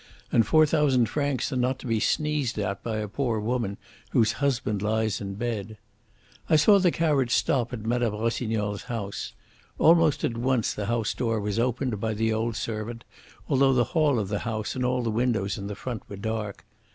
And four thousand francs are not to be sneezed at by a poor woman whose husband lies in bed. "I saw the carriage stop at Mme. Rossignol's house. Almost at once the house door was opened by the old servant, although the hall of the house and all the windows in the front were dark.